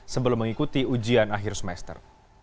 sebelum mengikuti ujian akhir semester